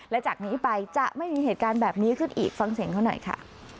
และจากนี้ไปจะไม่มีเหตุการณ์แบบนี้ขึ้นอีกฟังเสียงเขาหน่อยค่ะ